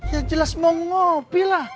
ya jelas mau ngopi lah